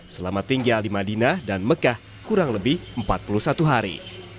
selama tinggal di madinah dan mekah kurang lebih empat puluh satu hari